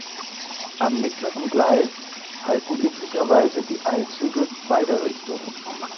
Am mittleren Gleis halten üblicherweise die Eilzüge beider Richtungen.